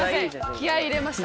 気合入れました